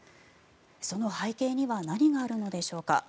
その背景には何があるのでしょうか。